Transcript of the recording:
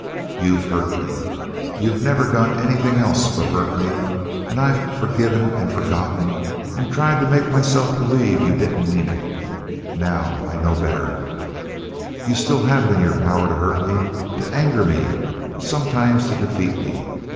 "You've hurt me! You've never done anything else but hurt me, and I've forgiven and forgotten and tried to make myself believe you didn't mean it. Now I know better. "You still have it in your power to hurt me, to anger me, sometimes to defeat me.